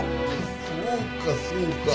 そうかそうか。